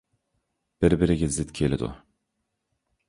بىر - بىرىگە زىت كېلىدۇ.